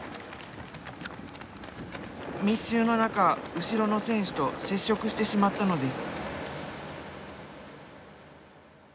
密集の中後ろの選手と接触してしまったのです。